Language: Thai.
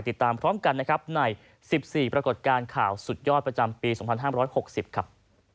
ติดตามพร้อมกันนะครับใน๑๔ปรากฏการณ์ข่าวสุดยอดประจำปี๒๕๖๐ครับ